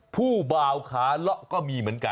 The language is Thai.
ผู้บ่าวขาเลาะก็มีเหมือนกัน